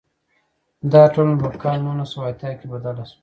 دا ټولنه په کال نولس سوه اتیا کې بدله شوه.